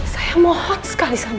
saya mohon sekali sama